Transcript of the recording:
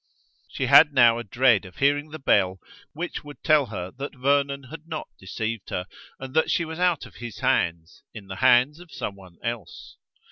She had now a dread of hearing the bell which would tell her that Vernon had not deceived her, and that she was out of his hands, in the hands of some one else.